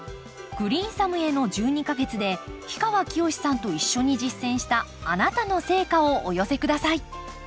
「グリーンサムへの１２か月」で氷川きよしさんと一緒に実践したあなたの成果をお寄せ下さい。